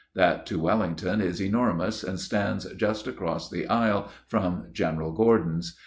That to Wellington is enormous, and stands just across the aisle from General Gordon's.